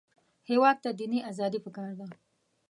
هېواد ته دیني ازادي پکار ده